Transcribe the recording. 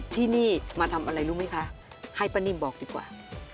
ที่นี่มาทำอะไรรู้ไหมคะให้ป้านิ่มบอกดีกว่า